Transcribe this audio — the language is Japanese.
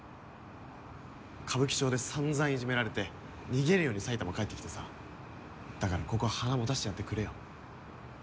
歌舞伎町で散々いじめられて逃げるように埼玉帰ってきてさだからここは花持たせてやってくれよ